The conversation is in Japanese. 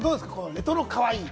レトロかわいい。